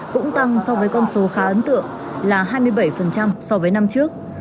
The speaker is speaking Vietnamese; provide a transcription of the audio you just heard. cũng tăng so với con số khá ấn tượng là hai mươi bảy so với năm trước